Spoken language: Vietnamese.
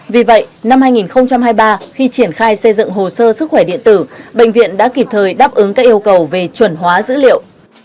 vì vậy năm hai nghìn hai mươi ba khi triển khai xây dựng hồ sơ sức khỏe điện tử bệnh viện đã kịp thời đáp ứng các yêu cầu về chuẩn hóa dữ liệu